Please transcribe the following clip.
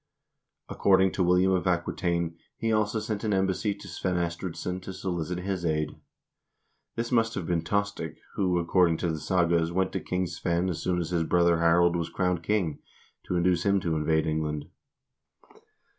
According to William of Aquitaine,1 he also sent an embassy to Svein Estridsson to solicit his aid. This must have been Tostig, who, according to the sagas, went to King Svein as soon as his brother Harold was crowned king, to induce him to invade England.